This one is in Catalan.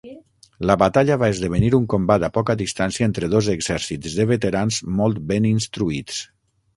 La batalla va esdevenir un combat a poca distància entre dos exèrcits de veterans molt ben instruïts.